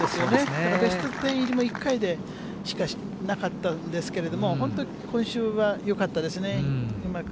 だからベスト１０も１回しかなかったんですけれども、本当に今週はよかったですね。